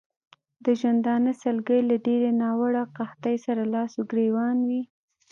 د ژوندانه سلګۍ له ډېرې ناوړه قحطۍ سره لاس او ګرېوان وې.